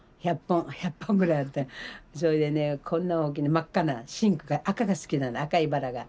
それでねこんな大きな真っ赤な深紅が赤が好きなの赤いバラが。